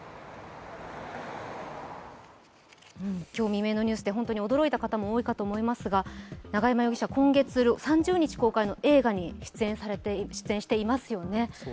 今日未明のニュースで本当に驚いた方多いと思いますが、永山容疑者、今月３０日公開の映画に出演していますよね。